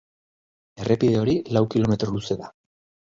Errepide hori lau kilometro luze da.